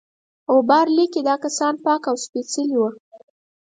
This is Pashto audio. غبار لیکي دا کسان پاک او سپیڅلي وه.